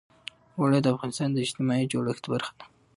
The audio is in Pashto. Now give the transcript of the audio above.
اوړي د افغانستان د اجتماعي جوړښت برخه ده.